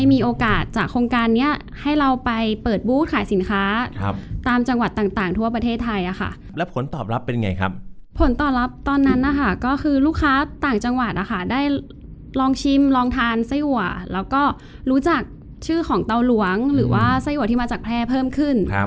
ก็คือลูกค้าต่างจังหวัดอะค่ะได้ลองชิมลองทานไส้อัวแล้วก็รู้จักชื่อของเตาหลวงหรือว่าไส้อัวที่มาจากแพร่เพิ่มขึ้น